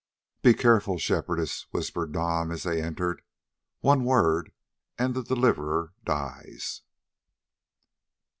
"Be careful, Shepherdess," whispered Nam as they entered; "one word—and the Deliverer dies."